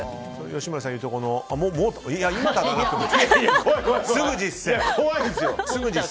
吉村さんが言うところのもも。